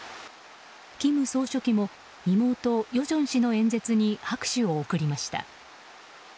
金総書記も妹・与正氏の演説に拍手を送りました。